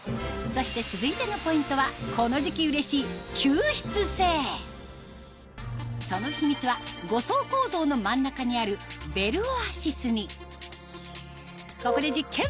そして続いてのポイントはその秘密は５層構造の真ん中にあるベルオアシスにここで実験！